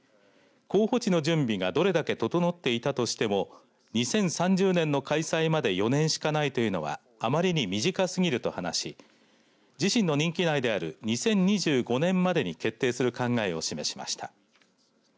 候補地の準備がどれだけ整っていたとしても２０３０年の開催まで４年しかないというのはあまりに短すぎると話し自身の任期内である２０２５年までに決定する考えを示しました。